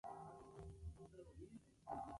Torralba de Damas fue fundamentalmente escritor.